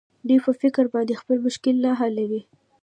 دوى په فکر باندې خپل مشکل نه حلوي.